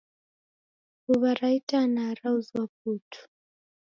Mbuwa ra itanaa rauzwa putu